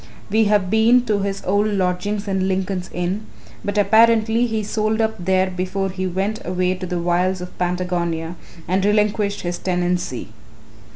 We have been to his old lodgings in Lincoln's Inn, but apparently he sold up there before he went away to the wilds of Patagonia and relinquished his tenancy.